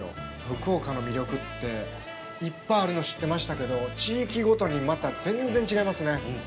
福岡の魅力っていっぱいあるの知ってましたけど地域ごとにまた全然違いますね。